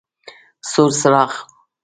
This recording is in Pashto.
سور څراغ: